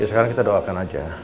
sekarang kita doakan aja